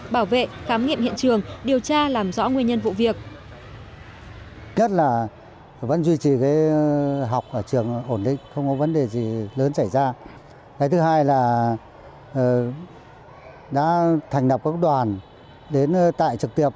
bảo vệ khám nghiệm hiện trường điều tra làm rõ nguyên nhân vụ việc